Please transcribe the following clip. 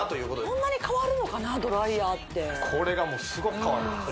そんなに変わるのかなドライヤーってこれがもうすごく変わります